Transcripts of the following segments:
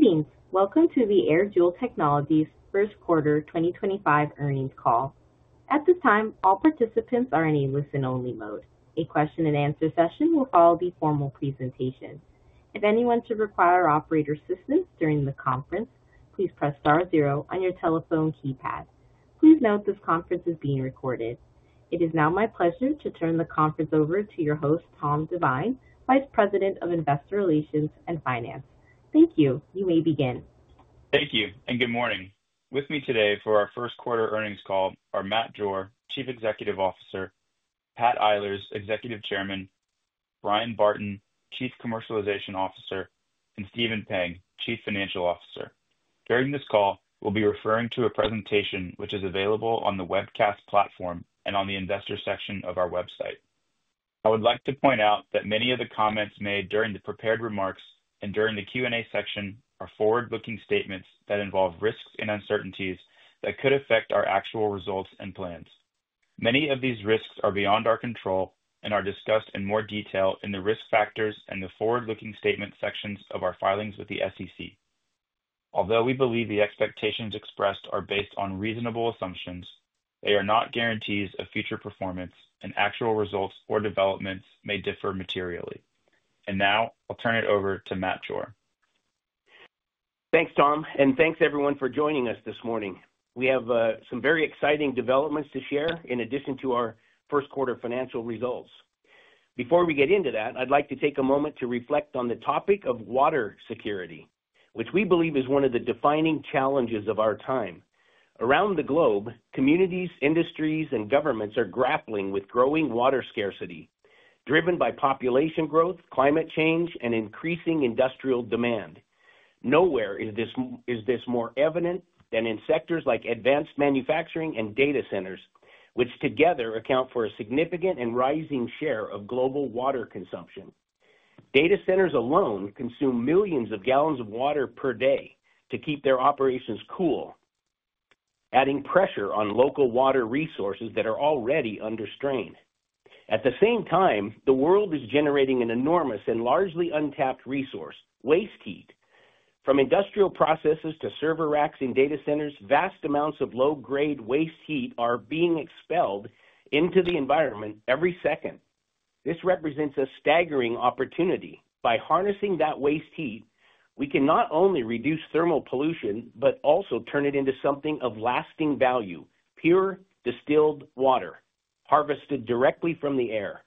Good evening. Welcome to the AirJoule Technologies first quarter 2025 earnings call. At this time, all participants are in a listen-only mode. A question-and-answer session will follow the formal presentation. If anyone should require operator assistance during the conference, please press star zero on your telephone keypad. Please note this conference is being recorded. It is now my pleasure to turn the conference over to your host, Tom Divine, Vice President of Investor Relations and Finance. Thank you. You may begin. Thank you, and good morning. With me today for our first quarter earnings call are Matt Jore, Chief Executive Officer; Pat Eilers, Executive Chairman; Bryan Barton, Chief Commercialization Officer; and Stephen Pang, Chief Financial Officer. During this call, we'll be referring to a presentation which is available on the webcast platform and on the investor section of our website. I would like to point out that many of the comments made during the prepared remarks and during the Q&A section are forward-looking statements that involve risks and uncertainties that could affect our actual results and plans. Many of these risks are beyond our control and are discussed in more detail in the risk factors and the forward-looking statement sections of our filings with the SEC. Although we believe the expectations expressed are based on reasonable assumptions, they are not guarantees of future performance, and actual results or developments may differ materially. I will turn it over to Matt Jore. Thanks, Tom, and thanks, everyone, for joining us this morning. We have some very exciting developments to share in addition to our first quarter financial results. Before we get into that, I'd like to take a moment to reflect on the topic of water security, which we believe is one of the defining challenges of our time. Around the globe, communities, industries, and governments are grappling with growing water scarcity driven by population growth, climate change, and increasing industrial demand. Nowhere is this more evident than in sectors like advanced manufacturing and data centers, which together account for a significant and rising share of global water consumption. Data centers alone consume millions of gallons of water per day to keep their operations cool, adding pressure on local water resources that are already under strain. At the same time, the world is generating an enormous and largely untapped resource: waste heat. From industrial processes to server racks in data centers, vast amounts of low-grade waste heat are being expelled into the environment every second. This represents a staggering opportunity. By harnessing that waste heat, we can not only reduce thermal pollution but also turn it into something of lasting value: pure, distilled water harvested directly from the air.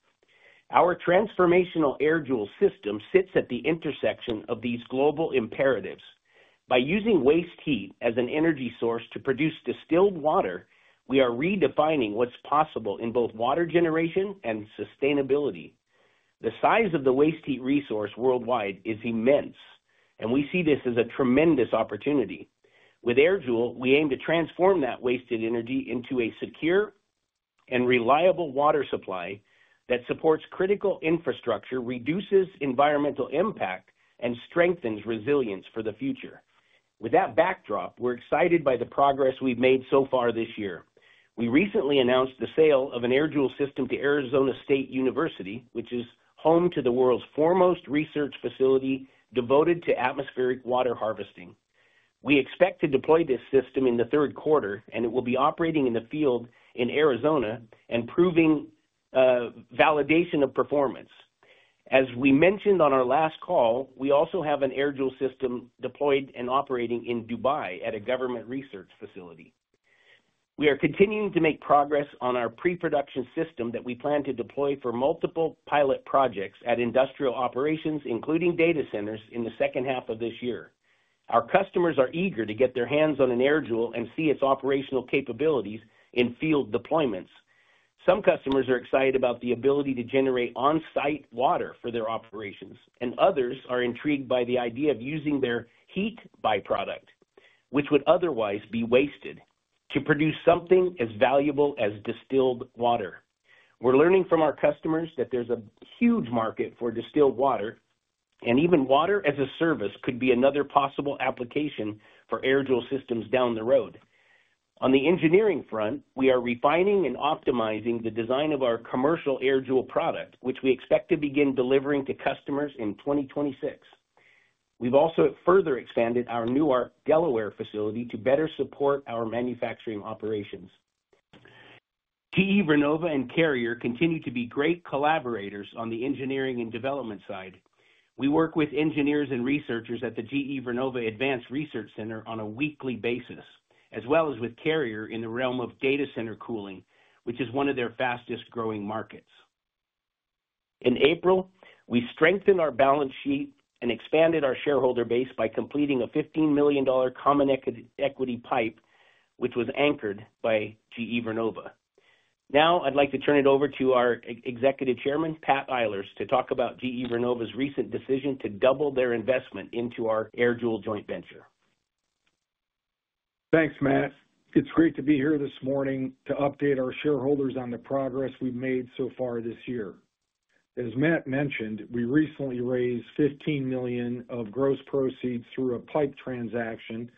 Our transformational AirJoule system sits at the intersection of these global imperatives. By using waste heat as an energy source to produce distilled water, we are redefining what's possible in both water generation and sustainability. The size of the waste heat resource worldwide is immense, and we see this as a tremendous opportunity. With AirJoule, we aim to transform that wasted energy into a secure and reliable water supply that supports critical infrastructure, reduces environmental impact, and strengthens resilience for the future. With that backdrop, we're excited by the progress we've made so far this year. We recently announced the sale of an AirJoule system to Arizona State University, which is home to the world's foremost research facility devoted to atmospheric water harvesting. We expect to deploy this system in the third quarter, and it will be operating in the field in Arizona and proving validation of performance. As we mentioned on our last call, we also have an AirJoule system deployed and operating in Dubai at a government research facility. We are continuing to make progress on our pre-production system that we plan to deploy for multiple pilot projects at industrial operations, including data centers, in the second half of this year. Our customers are eager to get their hands on an AirJoule and see its operational capabilities in field deployments. Some customers are excited about the ability to generate on-site water for their operations, and others are intrigued by the idea of using their heat byproduct, which would otherwise be wasted, to produce something as valuable as distilled water. We're learning from our customers that there's a huge market for distilled water, and even water as a service could be another possible application for AirJoule systems down the road. On the engineering front, we are refining and optimizing the design of our commercial AirJoule product, which we expect to begin delivering to customers in 2026. We've also further expanded our Newark, Delaware facility to better support our manufacturing operations. GE Vernova and Carrier continue to be great collaborators on the engineering and development side. We work with engineers and researchers at the GE Vernova Advanced Research Center on a weekly basis, as well as with Carrier in the realm of data center cooling, which is one of their fastest-growing markets. In April, we strengthened our balance sheet and expanded our shareholder base by completing a $15 million common equity pipe, which was anchored by GE Vernova. Now, I'd like to turn it over to our Executive Chairman, Pat Eilers, to talk about GE Vernova's recent decision to double their investment into our AirJoule joint venture. Thanks, Matt. It's great to be here this morning to update our shareholders on the progress we've made so far this year. As Matt mentioned, we recently raised $15 million of gross proceeds through a pipe transaction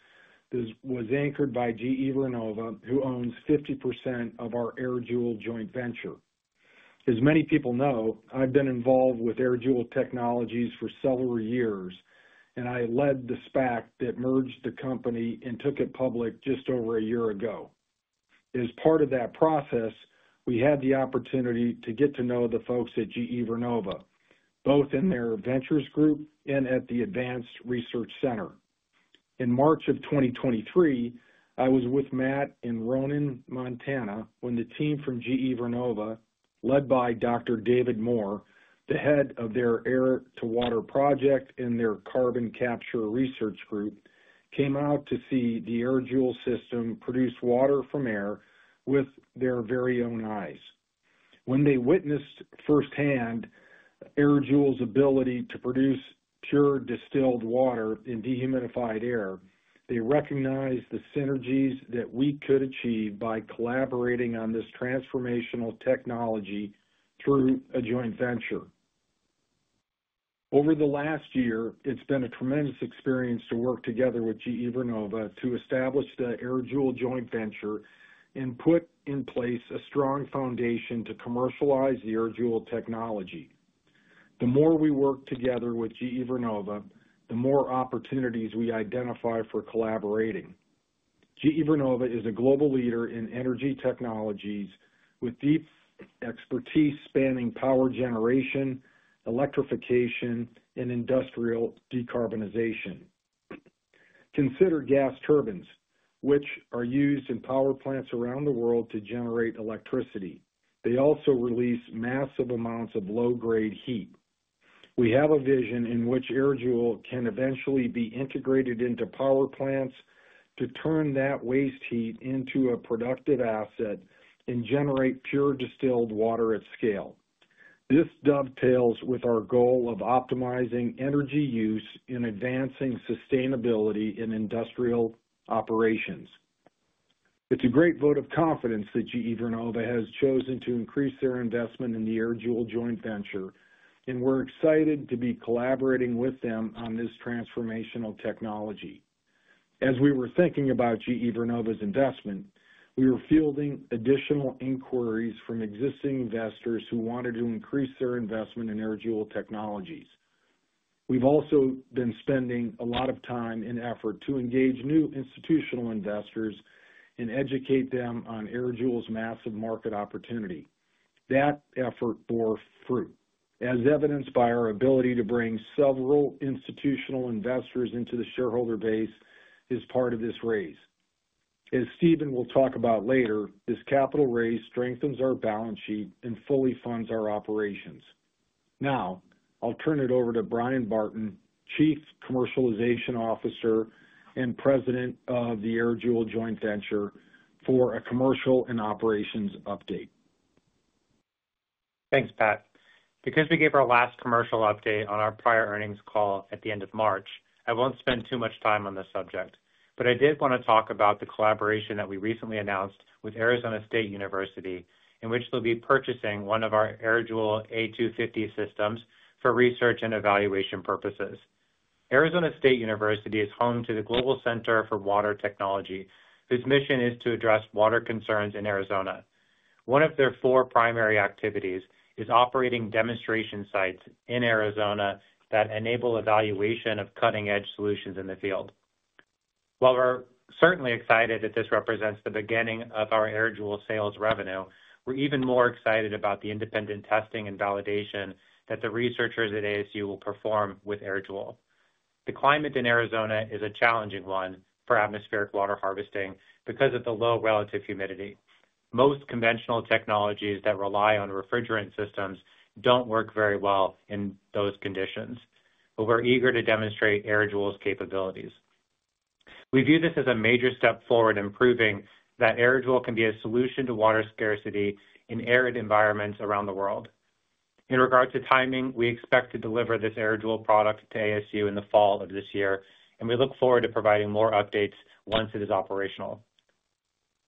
that was anchored by GE Vernova, who owns 50% of our AirJoule joint venture. As many people know, I've been involved with AirJoule Technologies for several years, and I led the SPAC that merged the company and took it public just over a year ago. As part of that process, we had the opportunity to get to know the folks at GE Vernova, both in their ventures group and at the Advanced Research Center. In March of 2023, I was with Matt in Ronan, Montana, when the team from GE Vernova, led by Dr. David Moore, the head of their air-to-water project in their carbon capture research group, came out to see the AirJoule system produce water from air with their very own eyes. When they witnessed firsthand AirJoule's ability to produce pure distilled water in dehumidified air, they recognized the synergies that we could achieve by collaborating on this transformational technology through a joint venture. Over the last year, it's been a tremendous experience to work together with GE Vernova to establish the AirJoule joint venture and put in place a strong foundation to commercialize the AirJoule technology. The more we work together with GE Vernova, the more opportunities we identify for collaborating. GE Vernova is a global leader in energy technologies with deep expertise spanning power generation, electrification, and industrial decarbonization. Consider gas turbines, which are used in power plants around the world to generate electricity. They also release massive amounts of low-grade heat. We have a vision in which AirJoule can eventually be integrated into power plants to turn that waste heat into a productive asset and generate pure distilled water at scale. This dovetails with our goal of optimizing energy use and advancing sustainability in industrial operations. It's a great vote of confidence that GE Vernova has chosen to increase their investment in the AirJoule joint venture, and we're excited to be collaborating with them on this transformational technology. As we were thinking about GE Vernova's investment, we were fielding additional inquiries from existing investors who wanted to increase their investment in AirJoule Technologies. We've also been spending a lot of time and effort to engage new institutional investors and educate them on AirJoule's massive market opportunity. That effort bore fruit, as evidenced by our ability to bring several institutional investors into the shareholder base as part of this raise. As Stephen will talk about later, this capital raise strengthens our balance sheet and fully funds our operations. Now, I'll turn it over to Bryan Barton, Chief Commercialization Officer and President of the AirJoule joint venture, for a commercial and operations update. Thanks, Pat. Because we gave our last commercial update on our prior earnings call at the end of March, I won't spend too much time on this subject, but I did want to talk about the collaboration that we recently announced with Arizona State University, in which they'll be purchasing one of our AirJoule A250 systems for research and evaluation purposes. Arizona State University is home to the Global Center for Water Technology, whose mission is to address water concerns in Arizona. One of their four primary activities is operating demonstration sites in Arizona that enable evaluation of cutting-edge solutions in the field. While we're certainly excited that this represents the beginning of our AirJoule sales revenue, we're even more excited about the independent testing and validation that the researchers at ASU will perform with AirJoule. The climate in Arizona is a challenging one for atmospheric water harvesting because of the low relative humidity. Most conventional technologies that rely on refrigerant systems do not work very well in those conditions, but we are eager to demonstrate AirJoule's capabilities. We view this as a major step forward, proving that AirJoule can be a solution to water scarcity in arid environments around the world. In regard to timing, we expect to deliver this AirJoule product to ASU in the fall of this year, and we look forward to providing more updates once it is operational.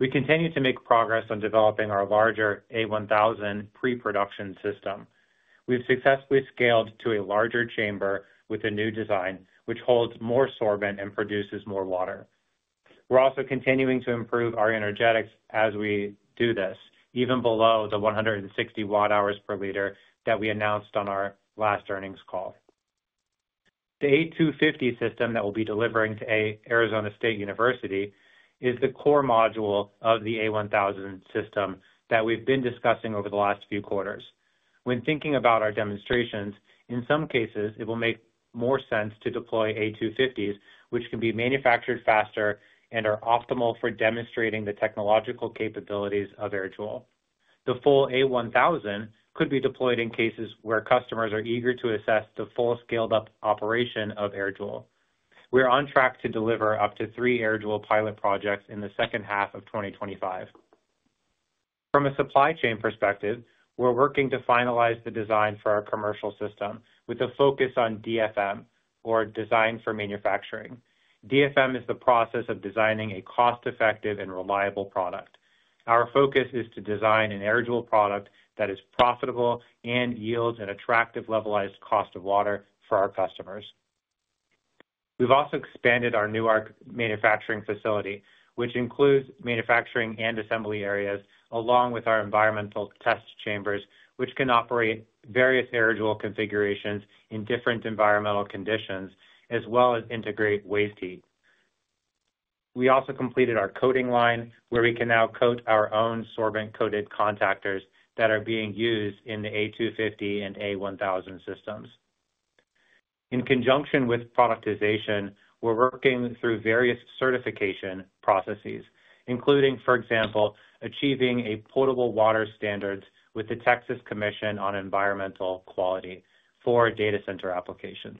We continue to make progress on developing our larger A1000 pre-production system. We have successfully scaled to a larger chamber with a new design, which holds more sorbent and produces more water. We're also continuing to improve our energetics as we do this, even below the 160 watt-hours per liter that we announced on our last earnings call. The A250 system that we'll be delivering to Arizona State University is the core module of the A1000 system that we've been discussing over the last few quarters. When thinking about our demonstrations, in some cases, it will make more sense to deploy A250s, which can be manufactured faster and are optimal for demonstrating the technological capabilities of AirJoule. The full A1000 could be deployed in cases where customers are eager to assess the full scaled-up operation of AirJoule. We're on track to deliver up to three AirJoule pilot projects in the second half of 2025. From a supply chain perspective, we're working to finalize the design for our commercial system with a focus on DFM, or design for manufacturing. DFM is the process of designing a cost-effective and reliable product. Our focus is to design an AirJoule product that is profitable and yields an attractive levelized cost of water for our customers. We've also expanded our Newark manufacturing facility, which includes manufacturing and assembly areas, along with our environmental test chambers, which can operate various AirJoule configurations in different environmental conditions, as well as integrate waste heat. We also completed our coating line, where we can now coat our own sorbent-coated contactors that are being used in the A250 and A1000 systems. In conjunction with productization, we're working through various certification processes, including, for example, achieving potable water standards with the Texas Commission on Environmental Quality for data center applications.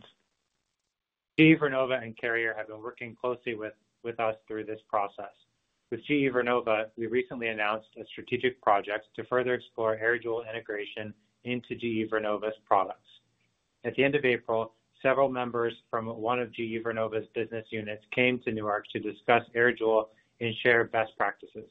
GE Vernova and Carrier have been working closely with us through this process. With GE Vernova, we recently announced a strategic project to further explore AirJoule integration into GE Vernova's products. At the end of April, several members from one of GE Vernova's business units came to Newark to discuss AirJoule and share best practices.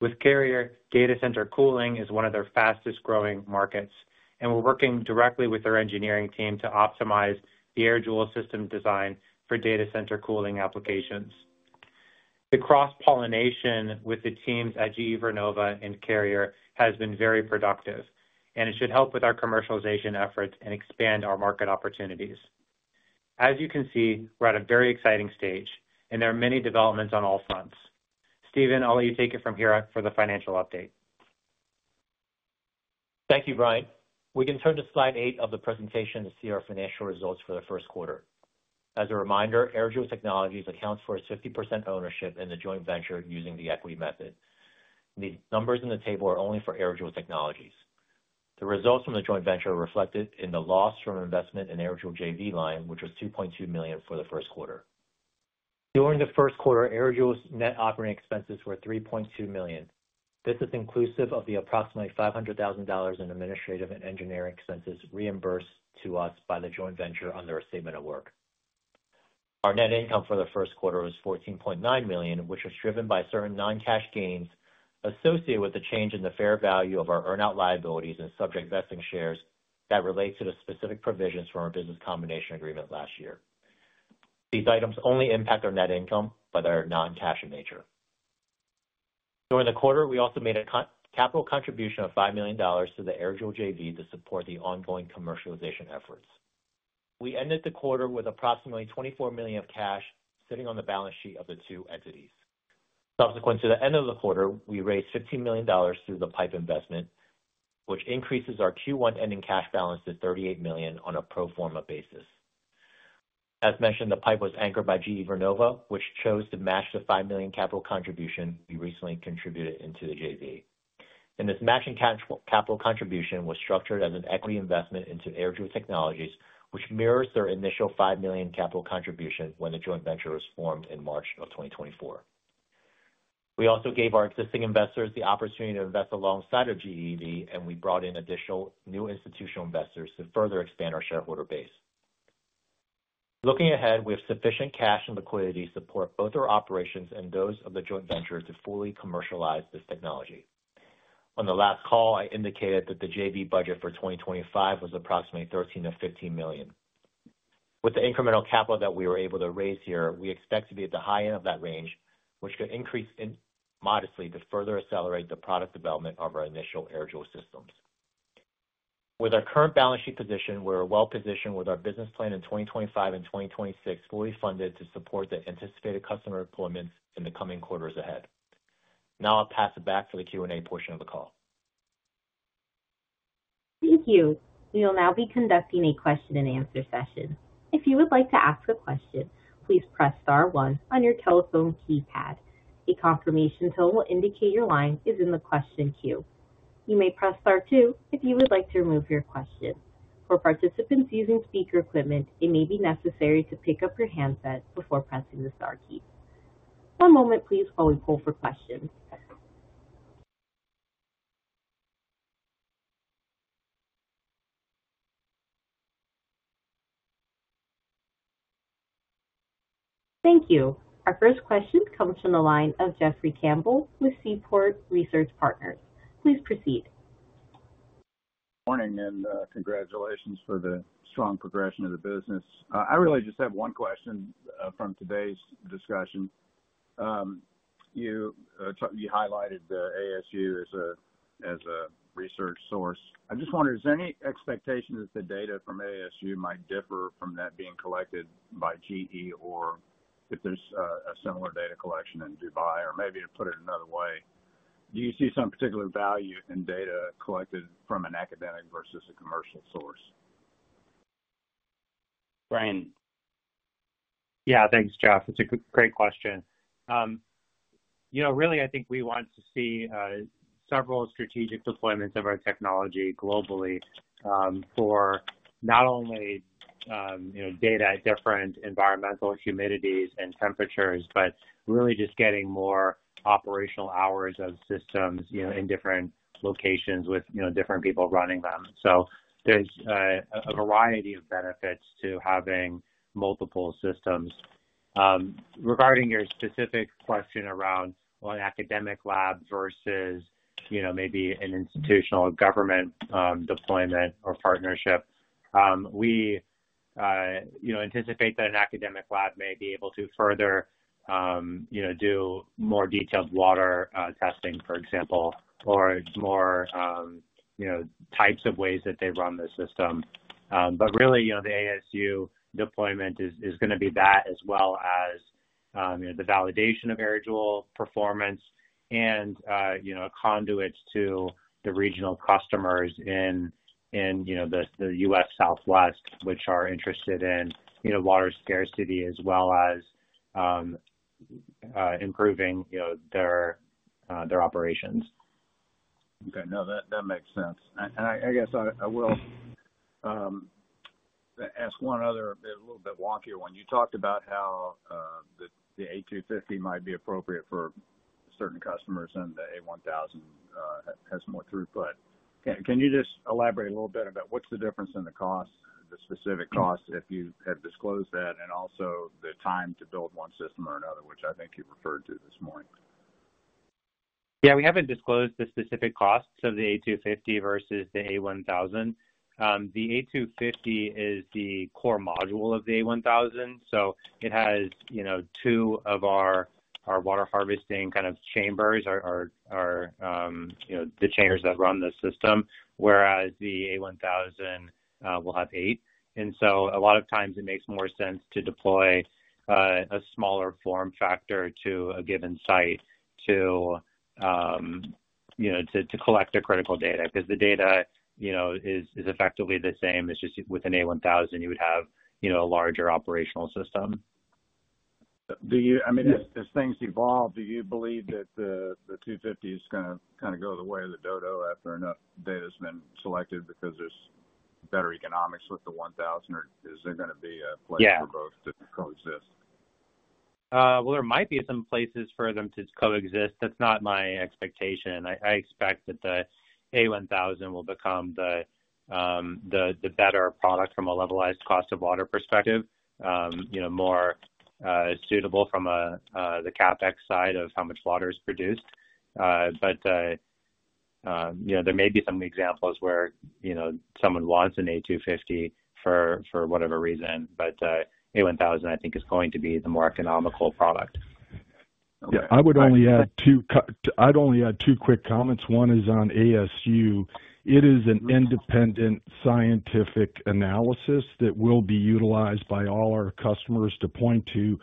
With Carrier, data center cooling is one of their fastest-growing markets, and we're working directly with their engineering team to optimize the AirJoule system design for data center cooling applications. The cross-pollination with the teams at GE Vernova and Carrier has been very productive, and it should help with our commercialization efforts and expand our market opportunities. As you can see, we're at a very exciting stage, and there are many developments on all fronts. Stephen, I'll let you take it from here for the financial update. Thank you, Bryan. We can turn to slide eight of the presentation to see our financial results for the first quarter. As a reminder, AirJoule Technologies accounts for 50% ownership in the joint venture using the equity method. The numbers in the table are only for AirJoule Technologies. The results from the joint venture are reflected in the loss from investment in AirJoule JV line, which was $2.2 million for the first quarter. During the first quarter, AirJoule's net operating expenses were $3.2 million. This is inclusive of the approximately $500,000 in administrative and engineering expenses reimbursed to us by the joint venture under a statement of work. Our net income for the first quarter was $14.9 million, which was driven by certain non-cash gains associated with the change in the fair value of our earn-out liabilities and subject vesting shares that relate to the specific provisions from our business combination agreement last year. These items only impact our net income, but they're non-cash in nature. During the quarter, we also made a capital contribution of $5 million to the AirJoule JV to support the ongoing commercialization efforts. We ended the quarter with approximately $24 million of cash sitting on the balance sheet of the two entities. Subsequent to the end of the quarter, we raised $15 million through the pipe investment, which increases our Q1 ending cash balance to $38 million on a pro forma basis. As mentioned, the pipe was anchored by GE Vernova, which chose to match the $5 million capital contribution we recently contributed into the JV. This matching capital contribution was structured as an equity investment into AirJoule Technologies, which mirrors their initial $5 million capital contribution when the joint venture was formed in March of 2024. We also gave our existing investors the opportunity to invest alongside of GE Vernova, and we brought in additional new institutional investors to further expand our shareholder base. Looking ahead, we have sufficient cash and liquidity to support both our operations and those of the joint venture to fully commercialize this technology. On the last call, I indicated that the JV budget for 2025 was approximately $13-15 million. With the incremental capital that we were able to raise here, we expect to be at the high end of that range, which could increase modestly to further accelerate the product development of our initial AirJoule systems. With our current balance sheet position, we're well positioned with our business plan in 2025 and 2026 fully funded to support the anticipated customer deployments in the coming quarters ahead. Now I'll pass it back to the Q&A portion of the call. Thank you. We will now be conducting a question-and-answer session. If you would like to ask a question, please press star one on your telephone keypad. A confirmation tone will indicate your line is in the question queue. You may press star two if you would like to remove your question. For participants using speaker equipment, it may be necessary to pick up your handset before pressing the star key. One moment, please, while we pull for questions. Thank you. Our first question comes from the line of Jeffrey Campbell with Seaport Research Partners. Please proceed. Morning and congratulations for the strong progression of the business. I really just have one question from today's discussion. You highlighted the ASU as a research source. I just wondered, is there any expectation that the data from ASU might differ from that being collected by GE, or if there's a similar data collection in Dubai, or maybe to put it another way, do you see some particular value in data collected from an academic versus a commercial source? Yeah, thanks, Jeff. It's a great question. Really, I think we want to see several strategic deployments of our technology globally for not only data at different environmental humidities and temperatures, but really just getting more operational hours of systems in different locations with different people running them. There is a variety of benefits to having multiple systems. Regarding your specific question around an academic lab versus maybe an institutional government deployment or partnership, we anticipate that an academic lab may be able to further do more detailed water testing, for example, or more types of ways that they run the system. Really, the ASU deployment is going to be that, as well as the validation of AirJoule performance and conduits to the regional customers in the U.S. Southwest, which are interested in water scarcity, as well as improving their operations. Okay. No, that makes sense. I guess I will ask one other, a little bit wonkier one. You talked about how the A250 might be appropriate for certain customers and the A1000 has more throughput. Can you just elaborate a little bit about what's the difference in the cost, the specific cost, if you have disclosed that, and also the time to build one system or another, which I think you referred to this morning? Yeah, we haven't disclosed the specific costs of the A250 versus the A1000. The A250 is the core module of the A1000, so it has two of our water harvesting kind of chambers, the chambers that run the system, whereas the A1000 will have eight. A lot of times, it makes more sense to deploy a smaller form factor to a given site to collect the critical data because the data is effectively the same. It's just with an A1000, you would have a larger operational system. I mean, as things evolve, do you believe that the 250 is going to kind of go the way of the Dodo after enough data has been selected because there's better economics with the 1000, or is there going to be a place for both to coexist? There might be some places for them to coexist. That's not my expectation. I expect that the A1000 will become the better product from a levelized cost of water perspective, more suitable from the CapEx side of how much water is produced. There may be some examples where someone wants an A250 for whatever reason, but the A1000, I think, is going to be the more economical product. Yeah. I would only add two quick comments. One is on ASU. It is an independent scientific analysis that will be utilized by all our customers to point to.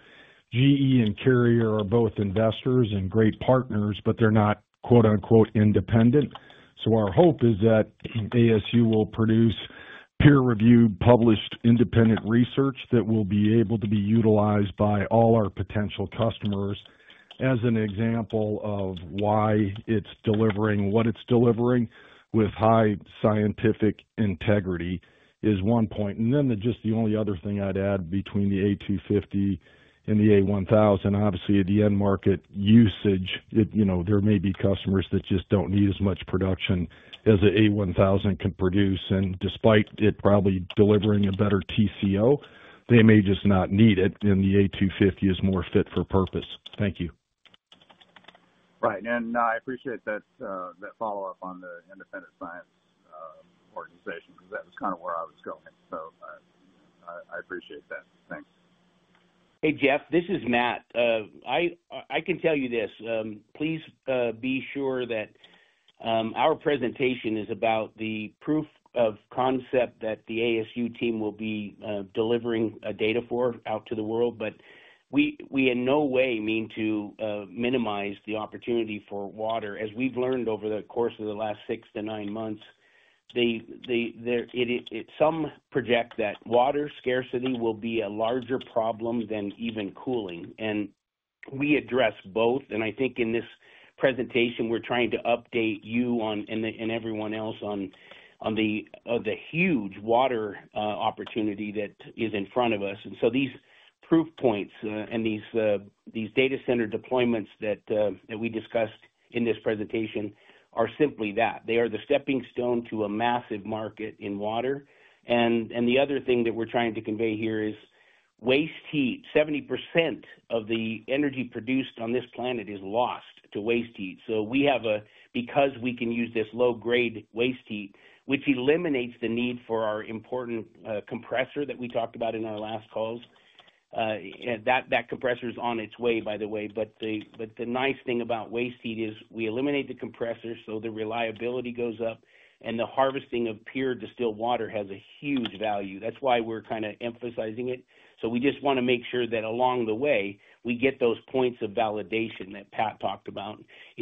GE and Carrier are both investors and great partners, but they're not "independent." Our hope is that ASU will produce peer-reviewed, published independent research that will be able to be utilized by all our potential customers as an example of why it's delivering what it's delivering with high scientific integrity is one point. The only other thing I'd add between the A250 and the A1000, obviously, at the end market usage, there may be customers that just don't need as much production as the A1000 can produce. Despite it probably delivering a better TCO, they may just not need it, and the A250 is more fit for purpose. Thank you. Right. I appreciate that follow-up on the independent science organization because that was kind of where I was going. I appreciate that. Thanks. Hey, Jeff, this is Matt. I can tell you this. Please be sure that our presentation is about the proof of concept that the ASU team will be delivering data for out to the world. We in no way mean to minimize the opportunity for water. As we've learned over the course of the last six to nine months, some project that water scarcity will be a larger problem than even cooling. We address both. I think in this presentation, we're trying to update you and everyone else on the huge water opportunity that is in front of us. These proof points and these data center deployments that we discussed in this presentation are simply that. They are the stepping stone to a massive market in water. The other thing that we're trying to convey here is waste heat. 70% of the energy produced on this planet is lost to waste heat. We have a, because we can use this low-grade waste heat, which eliminates the need for our important compressor that we talked about in our last calls. That compressor is on its way, by the way. The nice thing about waste heat is we eliminate the compressor, so the reliability goes up, and the harvesting of pure distilled water has a huge value. That is why we are kind of emphasizing it. We just want to make sure that along the way, we get those points of validation that Pat talked about.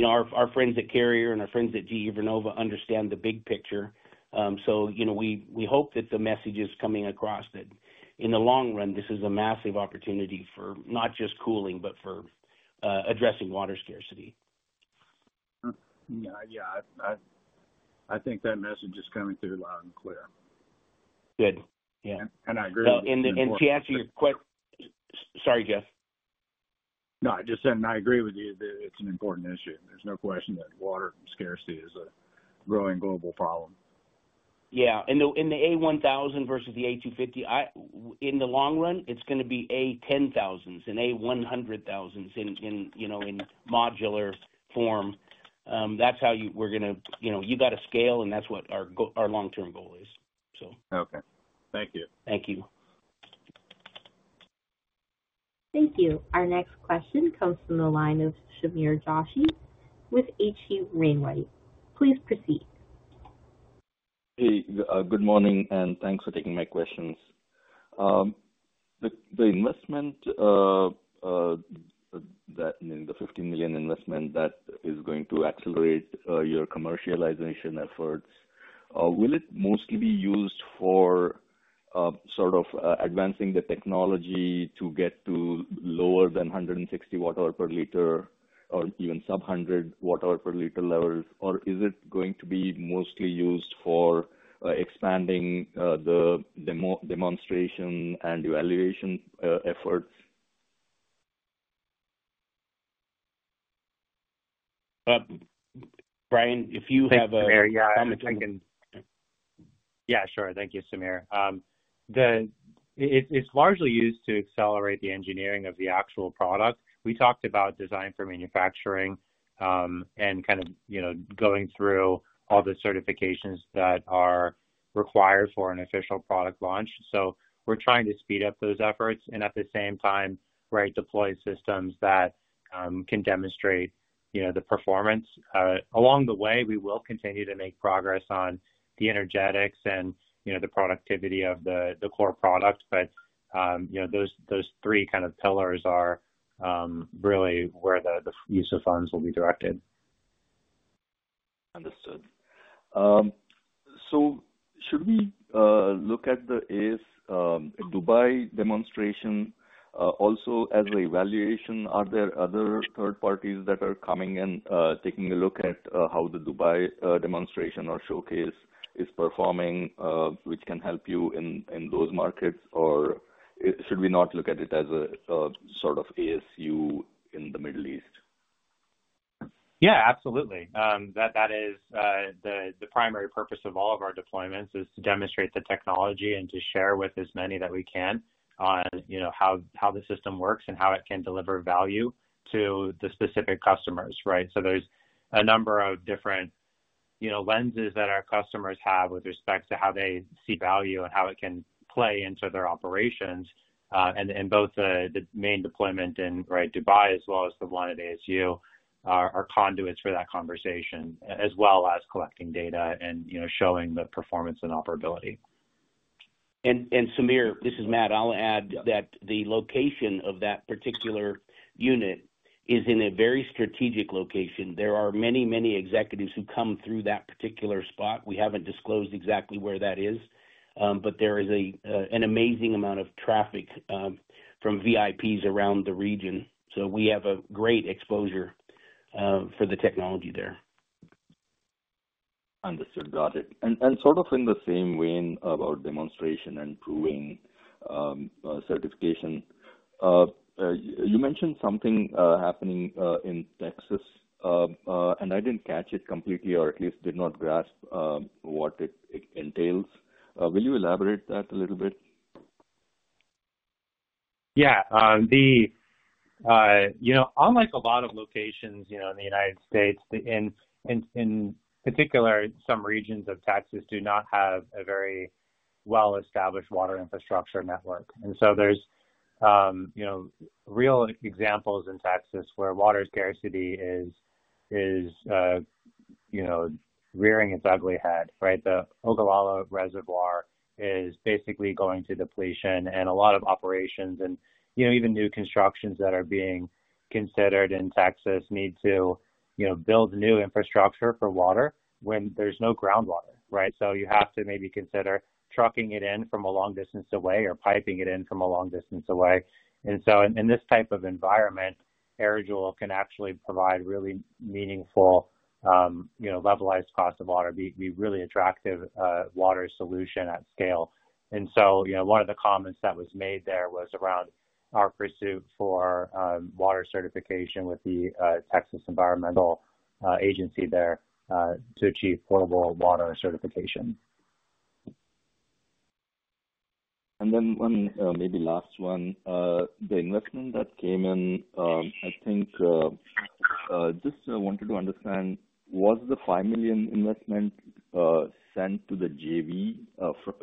Our friends at Carrier and our friends at GE Vernova understand the big picture. We hope that the message is coming across that in the long run, this is a massive opportunity for not just cooling, but for addressing water scarcity. Yeah. I think that message is coming through loud and clear. Good. Yeah. I agree with that. To answer your question, sorry, Jeff. No, I just said I agree with you that it's an important issue. There's no question that water scarcity is a growing global problem. Yeah. The A1000 versus the A250, in the long run, it's going to be A10,000s and A100,000s in modular form. That's how we're going to scale, and that's what our long-term goal is. Okay. Thank you. Thank you. Thank you. Our next question comes from the line of Sameer Joshi with H.C. Wainwright. Please proceed. Hey, good morning, and thanks for taking my questions. The investment, that meaning the $15 million investment that is going to accelerate your commercialization efforts, will it mostly be used for sort of advancing the technology to get to lower than 160 watt-hour per liter or even sub-100 watt-hour per liter levels, or is it going to be mostly used for expanding the demonstration and evaluation efforts? Bryan, if you have a comment. Yeah, sure. Thank you, Sameer. It's largely used to accelerate the engineering of the actual product. We talked about design for manufacturing and kind of going through all the certifications that are required for an official product launch. We are trying to speed up those efforts and at the same time, right, deploy systems that can demonstrate the performance. Along the way, we will continue to make progress on the energetics and the productivity of the core product, but those three kind of pillars are really where the use of funds will be directed. Understood. So should we look at the Dubai demonstration also as an evaluation? Are there other third parties that are coming and taking a look at how the Dubai demonstration or showcase is performing, which can help you in those markets, or should we not look at it as a sort of ASU in the Middle East? Yeah, absolutely. That is the primary purpose of all of our deployments, to demonstrate the technology and to share with as many that we can on how the system works and how it can deliver value to the specific customers, right? There are a number of different lenses that our customers have with respect to how they see value and how it can play into their operations. Both the main deployment in Dubai, as well as the one at ASU, are conduits for that conversation, as well as collecting data and showing the performance and operability. Sameer, this is Matt. I'll add that the location of that particular unit is in a very strategic location. There are many, many executives who come through that particular spot. We haven't disclosed exactly where that is, but there is an amazing amount of traffic from VIPs around the region. We have a great exposure for the technology there. Understood. Got it. Sort of in the same vein about demonstration and proving certification, you mentioned something happening in Texas, and I did not catch it completely or at least did not grasp what it entails. Will you elaborate that a little bit? Yeah. Unlike a lot of locations in the U.S., in particular, some regions of Texas do not have a very well-established water infrastructure network. There are real examples in Texas where water scarcity is rearing its ugly head, right? The Ogallala Reservoir is basically going to depletion, and a lot of operations and even new constructions that are being considered in Texas need to build new infrastructure for water when there is no groundwater, right? You have to maybe consider trucking it in from a long distance away or piping it in from a long distance away. In this type of environment, AirJoule can actually provide really meaningful levelized cost of water, be a really attractive water solution at scale. One of the comments that was made there was around our pursuit for water certification with the Texas Commission on Environmental Quality there to achieve potable water certification. Maybe last one, the investment that came in, I think just wanted to understand, was the $5 million investment sent to the GE,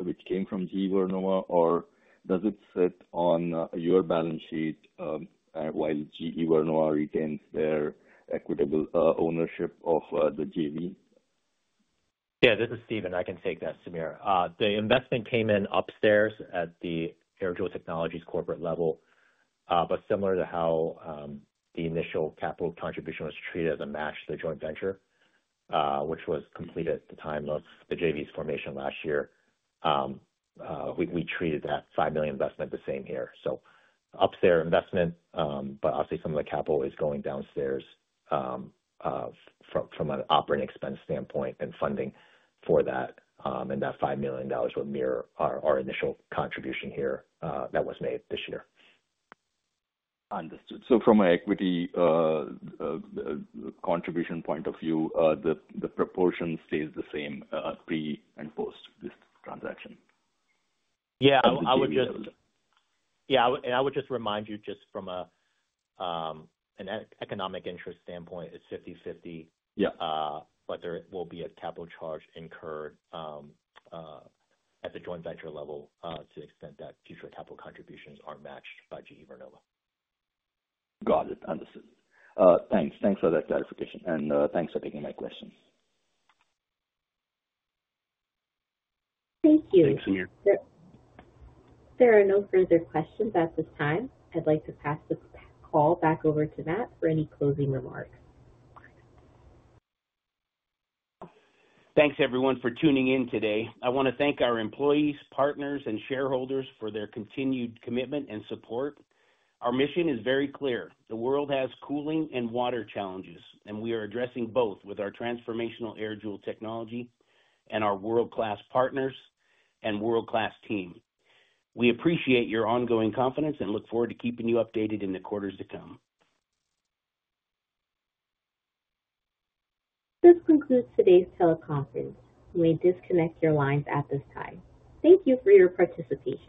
which came from GE Vernova, or does it sit on your balance sheet while GE Vernova retains their equitable ownership of the GE? Yeah, this is Stephen. I can take that, Sameer. The investment came in upstairs at the AirJoule Technologies corporate level, but similar to how the initial capital contribution was treated as a match to the joint venture, which was completed at the time of the JV's formation last year, we treated that $5 million investment the same here. So upstairs investment, but obviously some of the capital is going downstairs from an operating expense standpoint and funding for that. And that $5 million would mirror our initial contribution here that was made this year. Understood. So from an equity contribution point of view, the proportion stays the same pre and post this transaction? Yeah. I would just remind you just from an economic interest standpoint, it's 50/50, but there will be a capital charge incurred at the joint venture level to the extent that future capital contributions are matched by GE Vernova. Got it. Understood. Thanks. Thanks for that clarification. Thanks for taking my questions. Thank you. Thanks, Sameer. There are no further questions at this time. I'd like to pass the call back over to Matt for any closing remarks. Thanks, everyone, for tuning in today. I want to thank our employees, partners, and shareholders for their continued commitment and support. Our mission is very clear. The world has cooling and water challenges, and we are addressing both with our transformational AirJoule technology and our world-class partners and world-class team. We appreciate your ongoing confidence and look forward to keeping you updated in the quarters to come. This concludes today's teleconference. We disconnect your lines at this time. Thank you for your participation.